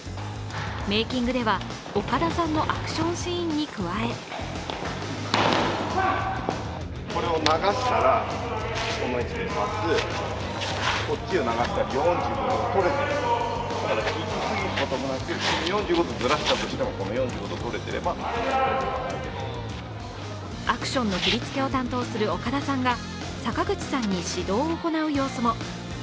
メイキングでは、岡田さんのアクションシーンに加えアクションの振り付けを担当する岡田さんが坂口さんに指導を行う様子も。